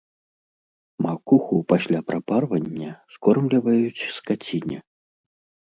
Макуху пасля прапарвання скормліваюць скаціне.